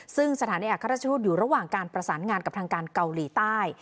ซึ่งสถานเอกราชทูตอยู่ระหว่างการประสานงานกับทางการเกาหลีใต้